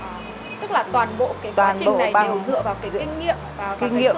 tức là toàn bộ quá trình này đều dựa vào cái kinh nghiệm